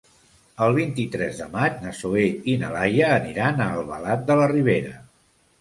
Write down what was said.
El vint-i-tres de maig na Zoè i na Laia aniran a Albalat de la Ribera.